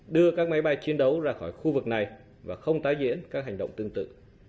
đưa các máy bay chiến đấu ra khỏi khu vực này và không tái diễn các hành động tương tự